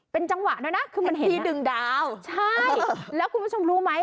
เป็นจังหวะด้วยนะคือมันฮีดึงดาวใช่แล้วคุณผู้ชมรู้ไหม